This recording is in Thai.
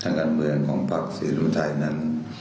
ทั้งการเมืองของภาคสิงห์ธรรมไทยนั้น